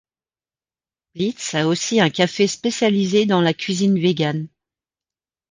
Blitz a aussi un café spécialisé dans la cuisine vegan.